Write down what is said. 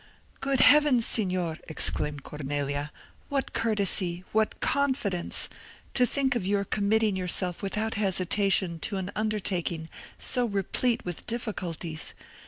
"Good heavens, Signor!" exclaimed Cornelia; "what courtesy! what confidence! to think of your committing yourself without hesitation to an undertaking so replete with difficulties!